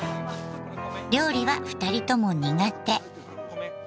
料理は二人とも苦手。